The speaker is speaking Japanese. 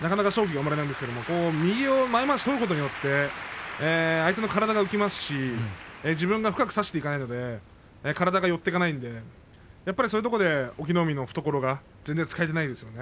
右の前まわしを取ることによって相手の体が浮きますし自分が深く差していけるので体が寄っていかないのでやっぱり、そういうところで隠岐の海の懐が全然、使えていないですよね。